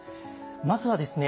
まずはですね